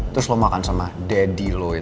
terus lo makan sama daddy lo itu